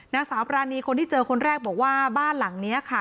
นางสาวปรานีคนที่เจอคนแรกบอกว่าบ้านหลังนี้ค่ะ